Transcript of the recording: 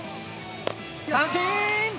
三振！